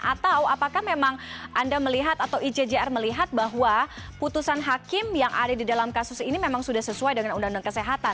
atau apakah memang anda melihat atau icjr melihat bahwa putusan hakim yang ada di dalam kasus ini memang sudah sesuai dengan undang undang kesehatan